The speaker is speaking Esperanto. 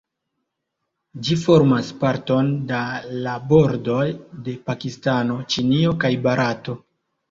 Ĝi formas parton da la bordoj de Pakistano, Ĉinio, kaj Barato.